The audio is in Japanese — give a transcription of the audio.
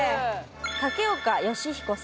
竹岡善彦さん。